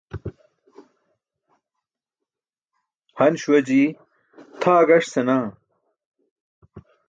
Han śuwa jii tʰaa gaṣ senaa.